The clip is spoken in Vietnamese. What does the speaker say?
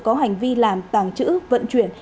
có hành vi làm tàng trữ vận chuyển